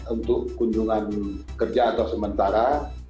untuk kunjungan kerja atau sementara